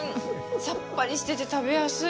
さっぱりしてて食べやすい。